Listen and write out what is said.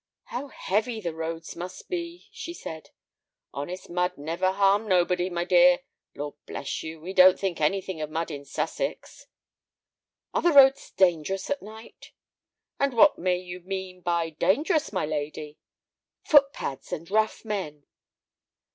"How heavy the roads must be!" she said. "Honest mud never harmed nobody, my dear. Lord bless you, we don't think anything of mud in Sussex." "Are the roads dangerous at night?" "And what may you mean by dangerous, my lady?" "Footpads and rough men."